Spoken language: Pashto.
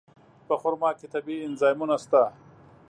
په خرما کې طبیعي انزایمونه شته.